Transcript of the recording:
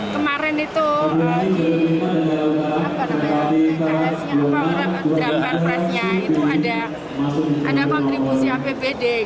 kemarin itu di drama presnya itu ada kontribusi apbd